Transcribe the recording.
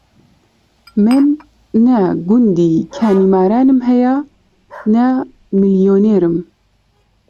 من نە گوندی کانیمارانم هەیە، نە میلیونێرم